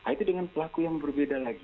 itu dengan pelaku yang berbeda lagi